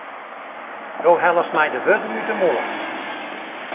Do hellest my de wurden út de mûle.